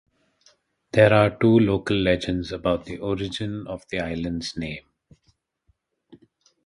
There are two local legends about the origin of the islands' name.